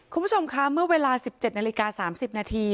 คุณผู้ชมคะเมื่อเวลา๑๗นาฬิกา๓๐นาที